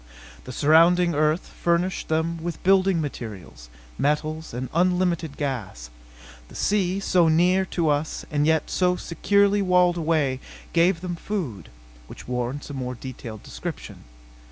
The surrounding earth furnished them with building materials, metals and unlimited gas. The sea, so near us and yet so securely walled away, gave them food. Which warrants a more detailed description.